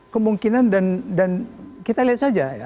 kemungkinan dan kita lihat saja ya